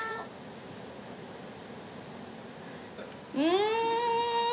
うん！